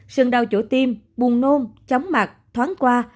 sừng đau chỗ tiêm buồn nôn chóng mặt thoáng qua